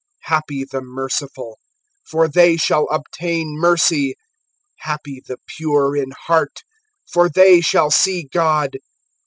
(7)Happy the merciful; for they shall obtain mercy. (8)Happy the pure in heart; for they shall see God.